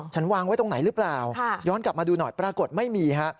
วางไว้ตรงไหนหรือเปล่าย้อนกลับมาดูหน่อยปรากฏไม่มีฮะ